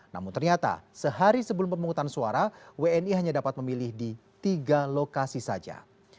namun ternyata sehari sebelum pemungutan suara wni hanya dapat memilih di tiga lokasi saja